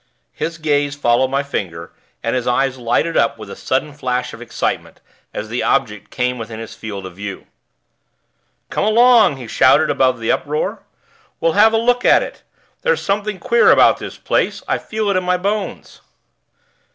His gaze followed my finger, and his eyes lighted up with a sudden flash of excitement, as the object came within his field of view. "Come along," he shouted above the uproar. "We'll have a look at it. There's something queer about this place; I feel it in my bones."